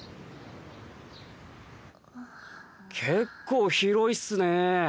結構広いっすね。